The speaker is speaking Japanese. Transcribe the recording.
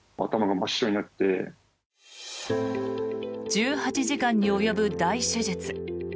１８時間に及ぶ大手術。